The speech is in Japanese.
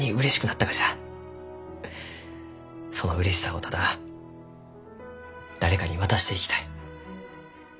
そのうれしさをただ誰かに渡していきたい。